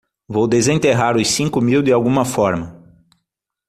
Vou desenterrar os cinco mil de alguma forma.